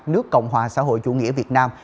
nước cộng hòa xã hội chủ nghĩa việt nam